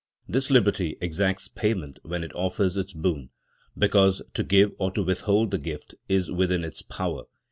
This liberty exacts payment when it offers its boon, because to give or to withhold the gift is within its power.